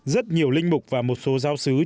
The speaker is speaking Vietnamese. rất nhiều linh mục và một số giáo sứ trên đường